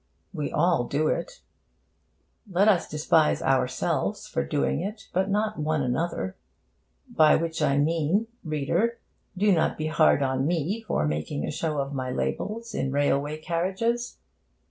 We all do it. Let us despise ourselves for doing it, but not one another. By which I mean, reader, do not be hard on me for making a show of my labels in railway carriages.